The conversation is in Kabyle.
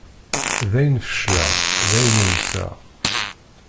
Dayen fecleɣ, dayen uyseɣ.